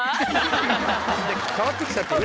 変わってきちゃってる。